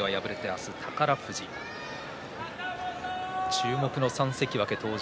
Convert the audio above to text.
注目の３関脇登場。